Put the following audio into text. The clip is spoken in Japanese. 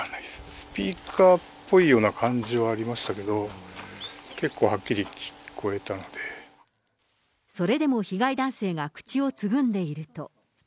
スピーカーっぽい感じはありましたけど、結構、はっきり聞こえたそれでも被害男性が口をつぐんでいると。